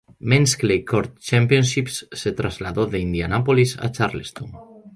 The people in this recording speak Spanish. Men's Clay Court Championships se trasladó de Indianápolis a Charleston.